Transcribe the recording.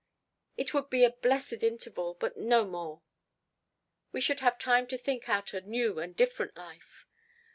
"It would be a blessed interval, but no more." "We should have time to think out a new and different life....